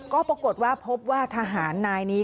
ก็ปรากฏว่าพบว่าทหารนายนี้